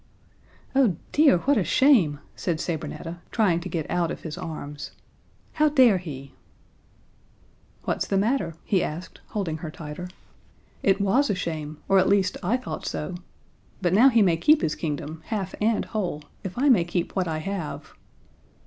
"Oh, dear, what a shame!" said Sabrinetta, trying to get out of his arms. "How dare he?" "What's the matter?" he asked, holding her tighter. "It was a shame, or at least I thought so. But now he may keep his kingdom, half and whole, if I may keep what I have."